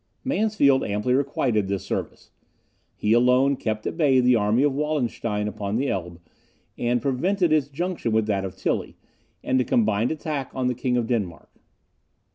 Mansfeld amply requited this service. He alone kept at bay the army of Wallenstein upon the Elbe, and prevented its junction with that of Tilly, and a combined attack on the King of Denmark.